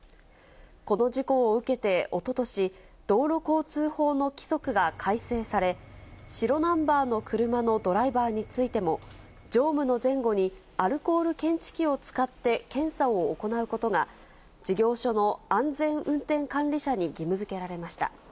この事故を受けておととし、道路交通法の規則が改正され、白ナンバーの車のドライバーについても、乗務の前後にアルコール検知器を使って検査を行うことが、事業所の安全運転管理者に義務づけられました。